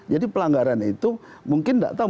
jadi pelanggaran itu mungkin tidak tahu